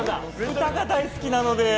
歌が大好きなので。